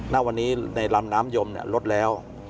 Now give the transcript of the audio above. ณวันนี้ในลำน้ำยมลดแล้ว